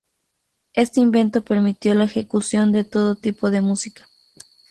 Este invento permitió la ejecución de todo tipo de música.